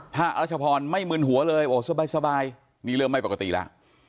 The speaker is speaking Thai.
ถ้ารัชพรไม่มึนหัวเลยโอ้สบายนี่เริ่มไม่ปกติแล้ว